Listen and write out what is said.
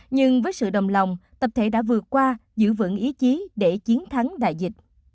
nhưng với sự đồng lòng tập thể đã vượt qua giữ vững ý chí để chiến thắng đại dịch